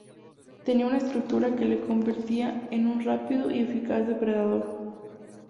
Tenía una estructura que le convertía en un rápido y eficaz depredador.